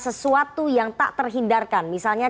sesuatu yang tak terhindarkan misalnya